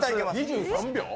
２３秒？